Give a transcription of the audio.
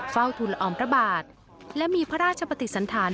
เฝ้าทุนละอมประบาดและมีพระราชปฏิสันฐาน